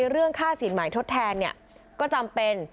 เรื่องค่าสินใหม่ทดแทนก็จำเป็น